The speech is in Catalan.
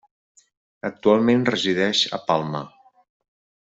Actualment resideix a Palma.